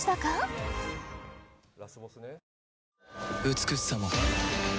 美しさも